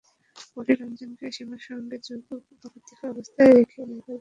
পরে রমজানকে সীমার সঙ্গে জোরপূর্বক আপত্তিকর অবস্থায় রেখে মোবাইল ফোনে ভিডিও করেন।